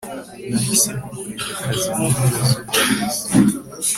nahisemo kureka akazi mu mpera z'uku kwezi